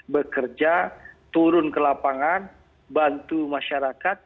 bekerja turun ke lapangan bantu masyarakat